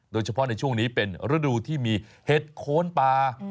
โดยเฉพาะในช่วงนี้เป็นฤดูที่มีเห็ดโคนป่า